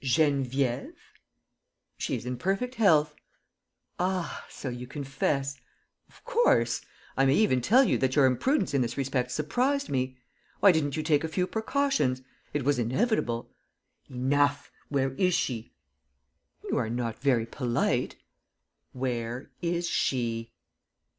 "Geneviève?" "She is in perfect health." "Ah, so you confess ...?" "Of course! I may even tell you that your imprudence in this respect surprised me. Why didn't you take a few precautions? It was inevitable. ..." "Enough! Where is she?" "You are not very polite." "Where is she?"